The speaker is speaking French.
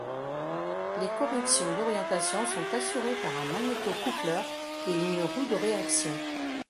Les corrections d'orientation sont assurées par un magnéto-coupleur et une roue de réaction.